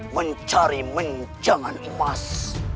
mencari menjangan emas